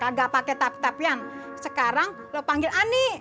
kagak pake tap tapian sekarang lu panggil ani